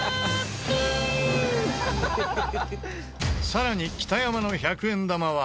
さらに北山の１００円玉は。